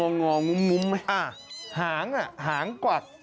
งอมุมหางอ่ะหางกวัด